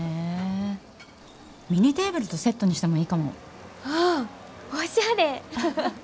ミニテーブルとセットにしてもいいかも。ああおしゃれ！